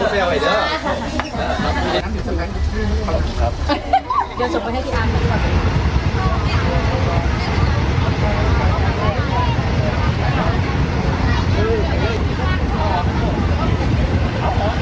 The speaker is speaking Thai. พอดีครับพอดีครับต้องต้องจับมือพี่พ่อคุณแมวไว้ด้วยได้ครับ